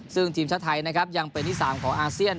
ซึ่งทีมชาติไทยนะครับยังเป็นที่๓ของอาเซียน